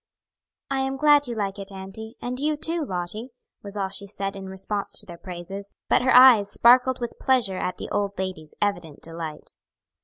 "I am glad you like it, auntie, and you too, Lottie," was all she said in response to their praises, but her eyes sparkled with pleasure at the old lady's evident delight.